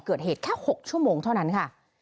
เกิดเหตุแค่๖ชั่วโมงเท่านั้นค่ะ